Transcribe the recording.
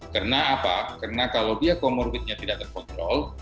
karena apa karena kalau dia komorbitnya tidak terkontrol